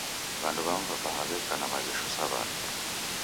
W'andu w'amu wabaha weka na maghesho sa w'ana.